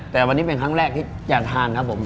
แต่วันนี้เป็นครั้งแรกที่อยากทานครับผม